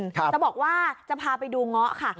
จะบอกว่าจะพาไปดูเงาะค่ะ